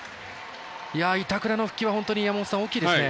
板倉の復帰は本当に大きいですね。